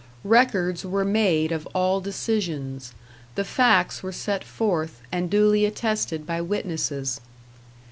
Records were made of all decisions; the facts were set forth, and duly attested by witnesses.